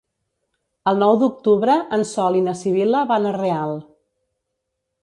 El nou d'octubre en Sol i na Sibil·la van a Real.